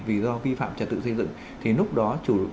vì do vi phạm trật tự xây dựng thì lúc đó chủ